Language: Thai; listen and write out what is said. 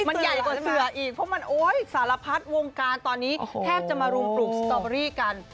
มันใหญ่กว่าเสืออีกเพราะมันโอ๊ยสารพัดวงการตอนนี้แทบจะมารุมปลูกสตอเบอรี่กัน